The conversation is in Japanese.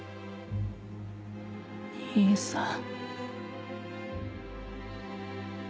兄さん